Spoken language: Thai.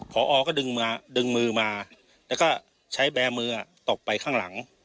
พอก็ดึงมือดึงมือมาแล้วก็ใช้แบร์มือตกไปข้างหลัง